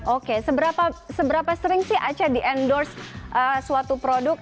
oke seberapa sering sih aca di endorse suatu produk